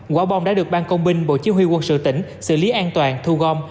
quả bom đã được ban công binh bộ chỉ huy quân sự tỉnh xử lý an toàn thu gom